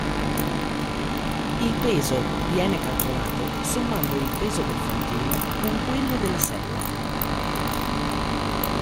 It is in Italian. Il peso viene calcolato sommando il peso del fantino con quello della sella.